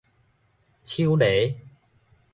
手螺